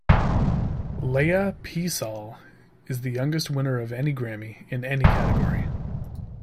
Leah Peasall is the youngest winner of any Grammy in any category.